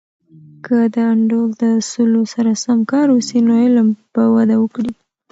که د انډول د اصولو سره سم کار وسي، نو علم به وده وکړي.